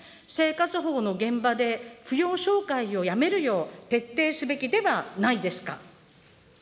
生活保護の現場で扶養照会をやめるよう徹底すべきではないですか。